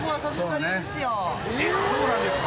えっそうなんですか。